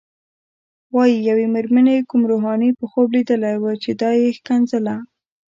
وايي یوې مېرمنې کوم روحاني په خوب لیدلی و چې دا یې ښکنځله.